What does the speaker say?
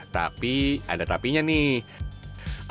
tapi ada tapinya nih